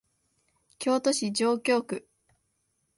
京都市上京区